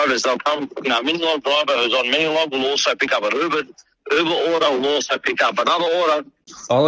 tidak cukup ada kekurangan pengguna